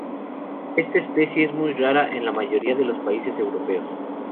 Esta especie es muy rara en la mayoría de los países europeos.